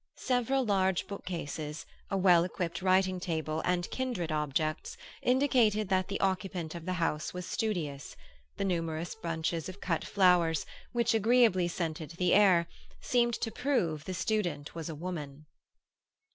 Several large bookcases, a well equipped writing table, and kindred objects, indicated that the occupant of the house was studious; the numerous bunches of cut flowers, which agreeably scented the air, seemed to prove the student was a woman.